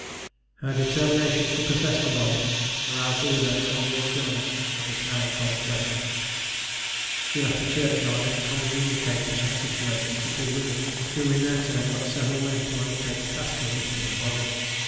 Her determination to possess the body aroused the widow from the enjoyment of this melancholy pleasure. She left the churchyard, and communicated her situation to two women, who, in their turn, got several men to undertake the task of lifting the body.